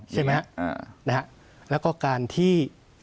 ใช่ไหมฮะนะฮะแล้วก็การที่